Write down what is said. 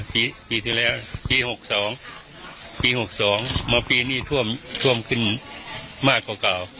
ปีปีที่แล้วปีหกสองปีหกสองมาปีนี้ท่วมท่วมขึ้นมากกว่าเก่า